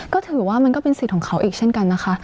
ก็ถือว่ามันก็เป็นสิทธิ์ของเขาอีกเช่นกันนะคะ